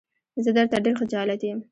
زه درته ډېر خجالت يم.